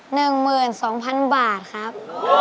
๑หมื่น๒พันบาทครับ